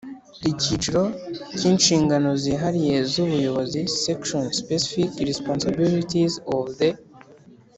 Icyiciro cya Inshingano zihariye z ubuyobozi Section Specific responsibilities of the